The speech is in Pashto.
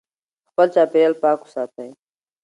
خپل چاپېریال پاک وساتئ.